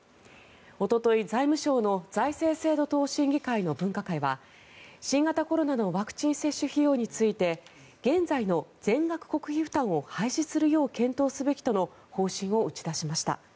おととい、財務省の財政制度等審議会の分科会は新型コロナのワクチン接種費用について現在の全額国費負担を廃止するよう検討すべきとの方針を打ち出しました。